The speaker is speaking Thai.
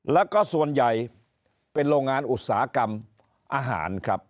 แล้วก็ส่วนใหญ่เป็นโรงงานอุตสาหกรรมอาหารครับ